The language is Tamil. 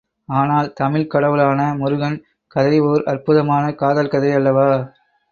ஆனால் தமிழ்க் கடவுளான முருகன், கதை ஓர் அற்புதமான காதல் கதை அல்லவா?